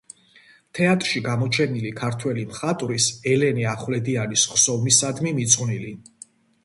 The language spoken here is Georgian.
თეატრში გამოჩენილი ქართველი მხატვრის ელენე ახვლედიანის ხსოვნისადმი მიძღვნილი.